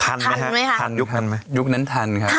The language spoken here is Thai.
ทันไหมคะยุคนั้นทันครับ